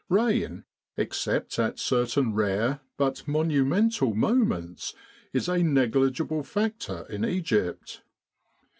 Rain, except at certain rare but monumental moments, is a negligible factor in Egypt.